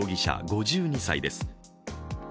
５２歳です。